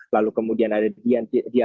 lalu kemudian ada dianto